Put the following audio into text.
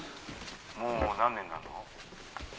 もう何年になるの？